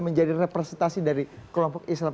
menjadi representasi dari kelompok islam